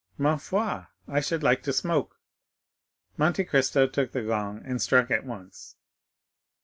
"Ma foi, I should like to smoke." Monte Cristo took the gong and struck it once.